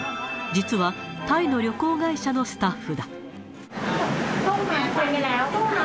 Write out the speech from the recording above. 実は、タイの旅行会社のスタッフだ。